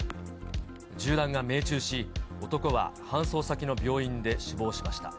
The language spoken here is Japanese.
銃弾が命中し、男は搬送先の病院で死亡しました。